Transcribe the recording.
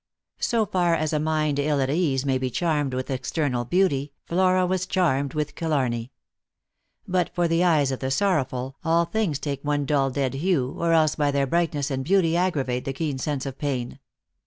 So far as a mind ill at ease may be charmed with external beauty, Flora was charmed with Killarney. But for the eyes of the sorrowful, all things take one dull dead hue, or else by their brightness and beauty aggravate the keen sense of pain.